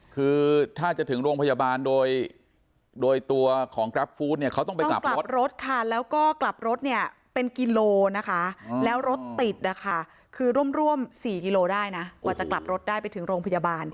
คือถ้าจะถึงโรงพยาบาลโดยตัวของกราฟฟู้ดเนี่ยเขาต้องไปกลับรถรถค่ะแล้วก็กลับรถเนี่ยเป็นกิโลนะคะแล้วรถติดนะคะคือร่วม๔กิโลได้นะกว่าจะกลับรถได้ไปถึงโรงพยาบาล